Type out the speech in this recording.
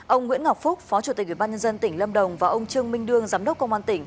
ông nguyễn ngọc phúc phó chủ tịch ubnd tỉnh lâm đồng và ông trương minh đương giám đốc công an tỉnh